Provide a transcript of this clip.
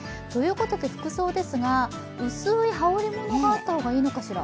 服装ですが、薄い羽織り物があった方がいいのかしら？